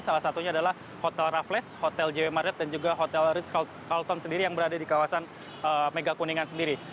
salah satunya adalah hotel rafles hotel jaya marat dan juga hotel ritz carlton sendiri yang berada di kawasan mega kuningan sendiri